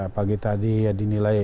pagi tadi ya dinilai